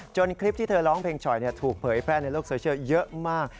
คลิปที่เธอร้องเพลงฉ่อยถูกเผยแพร่ในโลกโซเชียลเยอะมาก